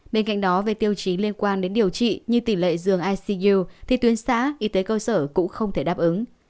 bên cạnh đó về tiêu chí liên quan đến điều trị như tỷ lệ dường icu thì tuyến xã y tế cơ sở cũng không thể đáp ứng